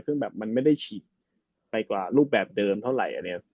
ซึ่งมันไม่ได้ฉีดไปกว่ารูปแบบเดิมเท่าไหร่